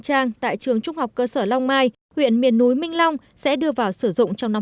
trang tại trường trung học cơ sở long mai huyện miền núi minh long sẽ đưa vào sử dụng trong năm